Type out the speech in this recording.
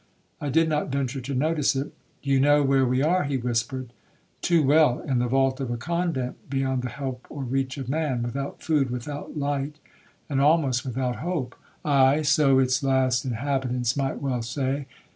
I did not venture to notice it. 'Do you know where we are?' he whispered. 'Too well;—in the vault of a convent, beyond the help or reach of man,—without food, without light, and almost without hope.'—'Aye, so its last inhabitants might well say.'